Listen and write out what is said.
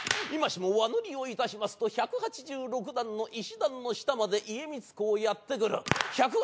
今しも輪乗りをいたしますと１８６段の石段の下まで家光公やって来る。